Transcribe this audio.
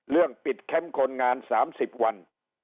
เรื่องปิดแคมป์คนงาน๓๐วัน